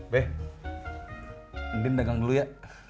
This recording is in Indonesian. beh mungkin dagang dulu ya